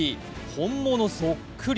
本物そっくり。